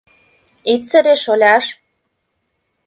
— Ит сыре, шоляш.